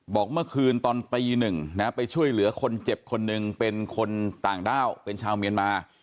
บอกเมื่อคืนตอนตีหนึ่งนะไปช่วยเหลือคนเจ็บคนหนึ่งเป็นคนต่างด้าวเป็นชาวเมียนมา